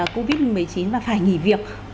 covid một mươi chín và phải nghỉ việc